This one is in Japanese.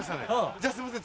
じゃあすいません。